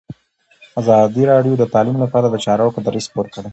ازادي راډیو د تعلیم لپاره د چارواکو دریځ خپور کړی.